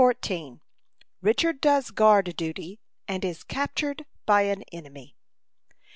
RICHARD DOES GUARD DUTY, AND IS CAPTURED BY AN ENEMY.